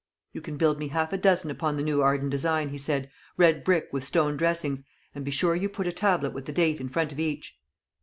"You can build me half a dozen upon the new Arden design," he said; "red brick, with stone dressings; and be sure you put a tablet with the date in front of each."